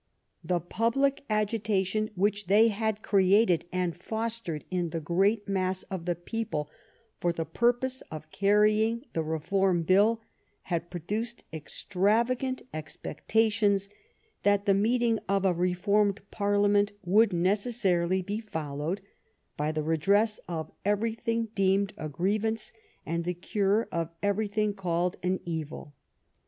The public agitation which they had created and fostered in the great mass of the people for the purpose of carrying the Reform Bill had produced extravagant expectations that the meeting of a Reformed Parliament would neces sarily be followed by the redress of everything deemed a grievance and the cure of everything called an evil."